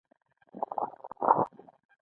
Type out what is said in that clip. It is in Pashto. زه تلیفون اخلم